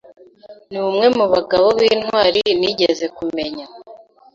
numwe mubagabo b'intwari nigeze kumenya.